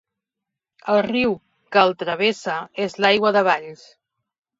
El riu que el travessa és l'Aigua de Valls.